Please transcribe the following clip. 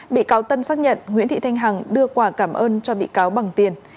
bị cáo tân xác nhận nguyễn thị thanh hằng đưa quả cảm ơn cho bị cáo bằng tiền